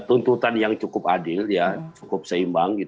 dan tuntutan yang cukup adil cukup seimbang